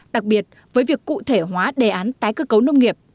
đặc biệt với việc cụ thể hóa đề án tái cơ cấu nông nghiệp